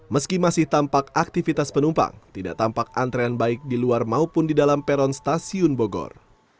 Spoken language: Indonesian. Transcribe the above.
meski masih tampak aktivitas penumpang tidak tampak antrean baik di luar maupun di dalam peron stasiun bogor